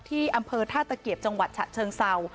ที่อำเภอท่าตะเกียบจังหวัดฉะเชิงเศร้า